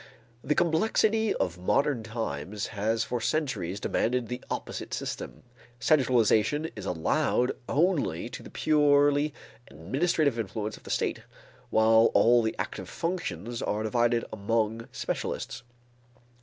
The complexity of modern times has for centuries demanded the opposite system. Centralization is allowed only to the purely administrative influence of the state, while all the active functions are divided among specialists.